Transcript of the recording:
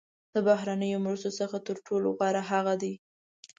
د بهرنیو مرستو څخه تر ټولو غوره هغه دي.